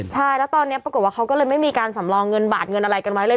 ใช่แล้วตอนนี้ปรากฏว่าเขาก็เลยไม่มีการสำรองเงินบาทเงินอะไรกันไว้เลย